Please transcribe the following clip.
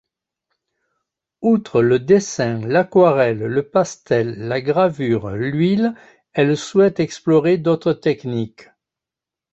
Outre le dessin, l'aquarelle, le pastel, la gravure, l'huile, elle souhaite explorer d'autres techniques.